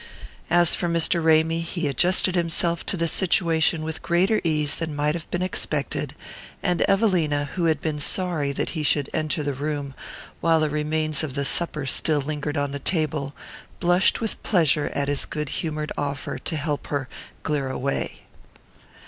As for Mr. Ramy, he adjusted himself to the situation with greater ease than might have been expected, and Evelina, who had been sorry that he should enter the room while the remains of supper still lingered on the table, blushed with pleasure at his good humored offer to help her "glear away."